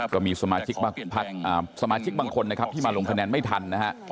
ก็มีสมาชิกพักสมาชิกบางคนนะครับที่มาลงคะแนนไม่ทันนะฮะ